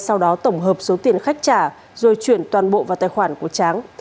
sau đó tổng hợp số tiền khách trả rồi chuyển toàn bộ vào tài khoản của tráng